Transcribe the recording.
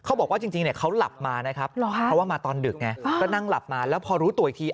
เขาบอกว่าจริงเขาหลับมานะครับเพราะว่ามาตอนดึกไงก็นั่งหลับมาแล้วพอรู้ตัวอีกที